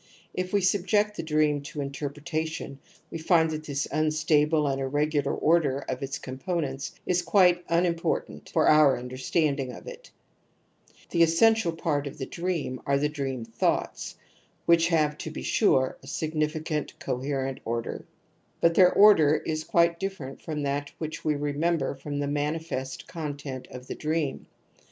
If we subject the dream to interpretation we find that this unstable and irregular order of its compo nents is quite unimportant for our imder standing of it. [T^b, ^ essential part of the dream \ arethedream th^^itis^ wEch Rave7 to be surer\ 158 TOTEM AI4D TABOO C , a sffl^^gLgant^ coherent order^^^But their order IS quite different from that which we remeiriber from the manifest content of the dream.